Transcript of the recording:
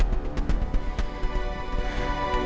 ya aku harus berhasil